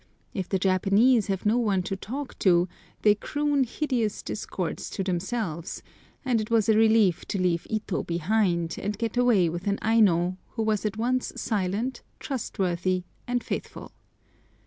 If the Japanese have no one to talk to they croon hideous discords to themselves, and it was a relief to leave Ito behind and get away with an Aino, who was at once silent, trustworthy, and faithful.